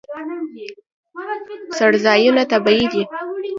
څړځایونه طبیعي دي.